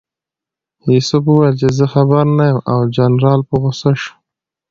یوسف وویل چې زه خبر نه یم او جنرال په غوسه شو.